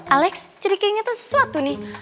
alex jadi keingetan sesuatu nih